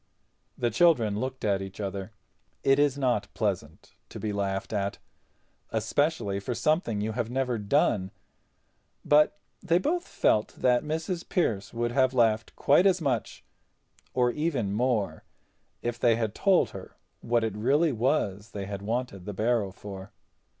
The children looked at each other. It is not pleasant to be laughed at, especially for something you have never done—but they both felt that Mrs. Pearce would have laughed quite as much, or even more, if they had told her what it really was they had wanted the barrow for.